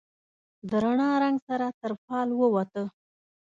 د رڼا، رنګ سره تر فال ووته